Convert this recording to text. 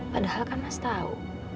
padahal kan mas tau